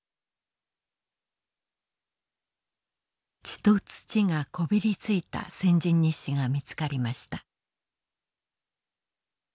血と土がこびりついた戦陣日誌が見つかりました。